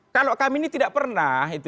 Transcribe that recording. kalau kami ini tidak pernah